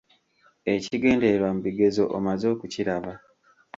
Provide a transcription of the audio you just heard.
Ekigendererwa mu bigezo omaze okukiraba.